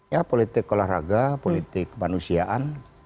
ya politik olahraga politik kemanusiaan